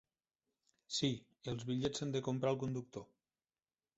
Sí, els bitllets s'han de comprar al conductor.